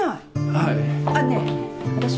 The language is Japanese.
はい。